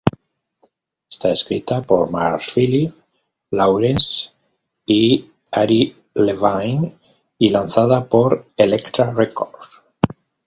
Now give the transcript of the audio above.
Está escrita por Mars, Philip Lawrence y Ari Levine, y lanzada por Elektra Records.